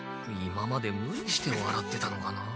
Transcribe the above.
今までムリしてわらってたのかなあ？